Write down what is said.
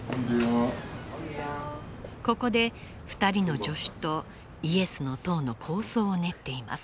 ここで２人の助手とイエスの塔の構想を練っています。